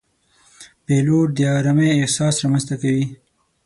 پیلوټ د آرامۍ احساس رامنځته کوي.